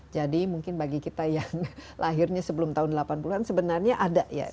mungkin bagi kita yang lahirnya sebelum tahun delapan puluh an sebenarnya ada ya